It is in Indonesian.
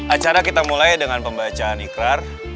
acara kita mulai dengan pembacaan ikrar